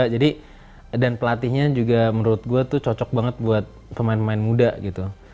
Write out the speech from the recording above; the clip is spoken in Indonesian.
jadi dan pelatihnya juga menurut gue tuh cocok banget buat pemain pemain muda gitu